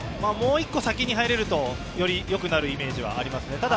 もう一歩先に入れると、より良くなるイメージがありますね。